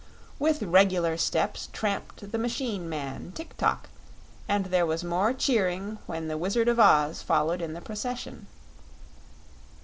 With regular steps tramped the machine man Tik tok, and there was more cheering when the Wizard of Oz followed in the procession.